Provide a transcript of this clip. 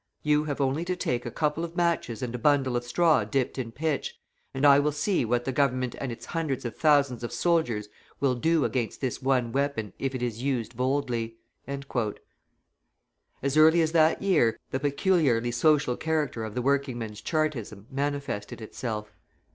You have only to take a couple of matches and a bundle of straw dipped in pitch, and I will see what the Government and its hundreds of thousands of soldiers will do against this one weapon if it is used boldly." As early as that year the peculiarly social character of the working men's Chartism manifested itself.